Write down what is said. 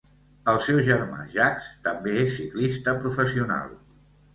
El seu germà Jacques també és ciclista professional.